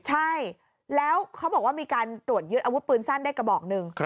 ใช่แล้วเขาบอกว่ามีการตรวจยึดอาวุธปืนสั้นได้กระบอกหนึ่ง